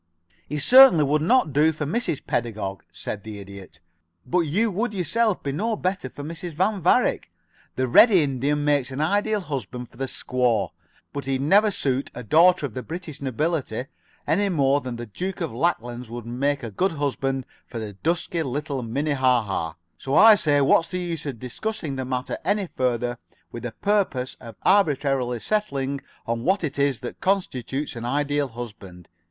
"He certainly would not do for Mrs. Pedagog," said the Idiot. "But you would yourself be no better for Mrs. Van Varick. The red Indian makes an Ideal Husband for the squaw, but he'd never suit a daughter of the British nobility any more than the Duke of Lacklands would make a good husband for dusky little Minnehaha. So I say what's the use of discussing the matter any further with the purpose of arbitrarily settling on what it is that constitutes an Ideal Husband?